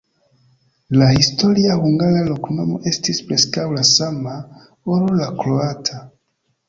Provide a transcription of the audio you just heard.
La historia hungara loknomo estis preskaŭ la sama, ol la kroata.